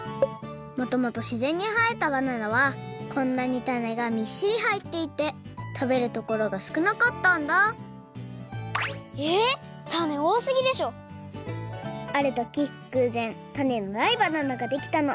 もともとしぜんにはえたバナナはこんなにタネがみっしりはいっていてたべるところがすくなかったんだあるときぐうぜんタネのないバナナができたの。